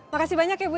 makasih banyak ya bu